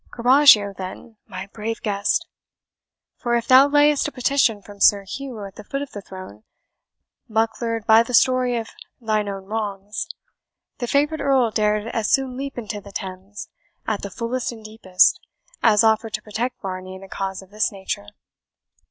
Coragio then, my brave guest! for if thou layest a petition from Sir Hugh at the foot of the throne, bucklered by the story of thine own wrongs, the favourite Earl dared as soon leap into the Thames at the fullest and deepest, as offer to protect Varney in a cause of this nature.